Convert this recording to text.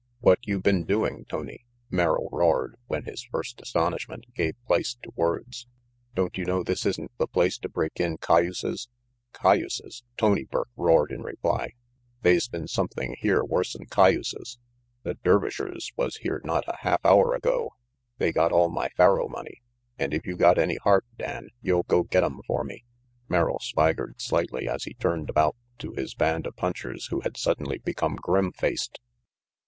"What you been doing, Tony?" Merrill roared, when his first astonishment gave place to words. "Don't you know this isn't the place to break in cay uses?" " Cayuses? " Tony Burke roared in reply. " They's RANGY PETE 51 been something here worse'n cay uses. The Dervishers was here not a half hour ago. They got all my faro money, and if you got any heart, Dan, you'll go get 'em for me." Merrill swaggered slightly as he turned about to his band of punchers who had suddenly become grim faced.